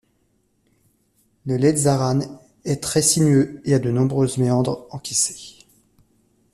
Le Leitzaran est très sinueux et a de nombreuses méandres encaissées.